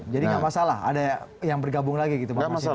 jadi gak masalah ada yang bergabung lagi gitu pak masyid